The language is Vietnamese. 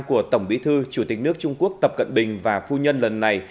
của tổng bí thư chủ tịch nước trung quốc tập cận bình và phu nhân lần này